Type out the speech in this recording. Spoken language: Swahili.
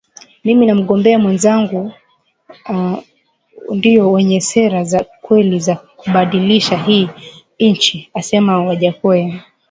Mimi na mgombea mwenza wangu ndio wenye sera za ukweli za kubadilisha hii nchi Amesema Wajackoya